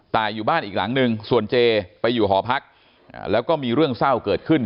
อยู่บ้านอีกหลังนึงส่วนเจไปอยู่หอพักแล้วก็มีเรื่องเศร้าเกิดขึ้น